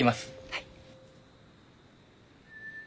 はい。